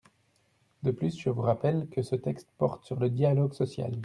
De plus, je vous rappelle que ce texte porte sur le dialogue social.